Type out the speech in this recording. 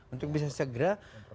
untuk bisa segera